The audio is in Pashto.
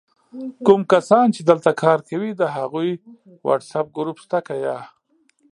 کوم کسان چې دلته کار کوي د هغوي وټس آپ ګروپ سته که یا؟!